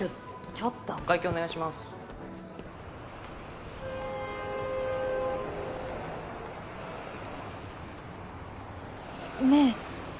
ちょっとお会計お願いしますねえ